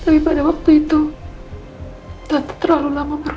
bukan tante tidak mau menolong mama kamu